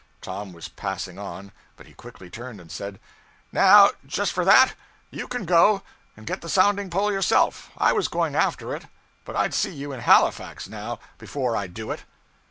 Tom was passing on, but he quickly turned, and said 'Now just for that, you can go and get the sounding pole yourself. I was going after it, but I'd see you in Halifax, now, before I'd do it.'